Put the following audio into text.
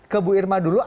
kepada bu irma dulu